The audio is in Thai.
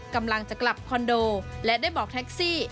กำลังจะกลับคอนโดและได้บอกแท็กซี่